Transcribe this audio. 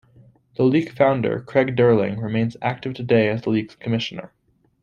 The league founder, Craig Durling, remains active today as the league's Commissioner.